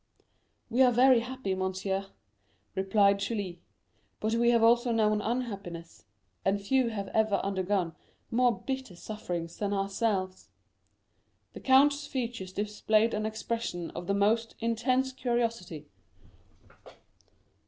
"We are very happy, monsieur," replied Julie; "but we have also known unhappiness, and few have ever undergone more bitter sufferings than ourselves." The count's features displayed an expression of the most intense curiosity.